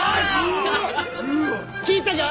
聞いたか？